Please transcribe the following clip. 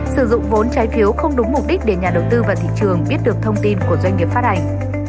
sử dụng vốn trái phiếu không đúng mục đích để nhà đầu tư và thị trường biết được thông tin của doanh nghiệp phát hành